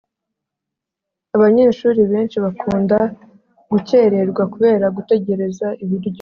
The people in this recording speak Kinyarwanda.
Abanyeshuri benshi bakunda gucyererwa kubera gutegereza ibiryo